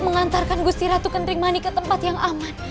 menantarkan gusti ratu kendringmani ke tempat yang aman